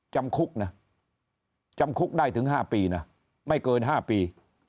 จำคุกนะจำคุกได้ถึง๕ปีนะไม่เกิน๕ปี